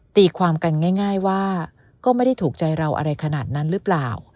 ตีความกันง่ายว่าก็ไม่ได้ถูกใจเราอะไรขนาดนั้นหรือเปล่า